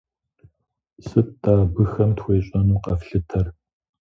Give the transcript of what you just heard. Сыт-тӀэ абыхэм тхуещӀэну къэфлъытэр?